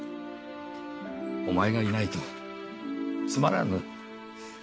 お前がいないとつまらぬ。